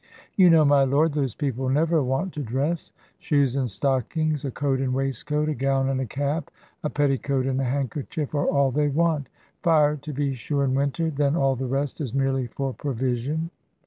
"You know, my lord, those people never want to dress shoes and stockings, a coat and waistcoat, a gown and a cap, a petticoat and a handkerchief, are all they want fire, to be sure, in winter then all the rest is merely for provision."